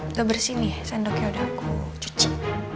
udah bersih nih sendoknya udah aku cuci